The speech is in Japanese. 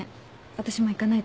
私もう行かないと。